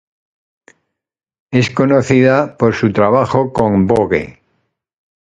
Es conocida por su trabajo con "Vogue".